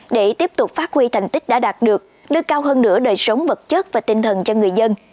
để tiếp tục phát huy thành tích đã đạt được đưa cao hơn nửa đời sống vật chất và tinh thần cho người dân